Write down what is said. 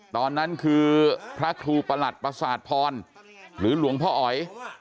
ตอนนั้นคือพระครูประหลัดประสาทพรหรือหลวงพ่ออ๋อย